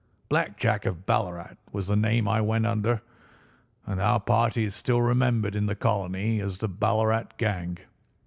Black Jack of Ballarat was the name I went under, and our party is still remembered in the colony as the Ballarat Gang.